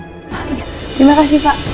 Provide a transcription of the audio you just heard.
pak iya terima kasih pak